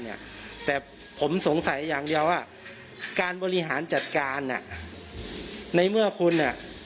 เนี่ยแต่ผมสงสัยอย่างเดียวว่าการบริหารจัดการอ่ะในเมื่อคุณอ่ะ